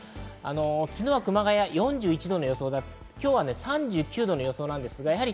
昨日は熊谷４１度の予想で、今日は３９度の予想。